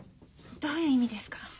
どういう意味ですか？